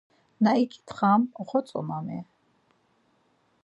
Na ik̆itxam oxotzonami?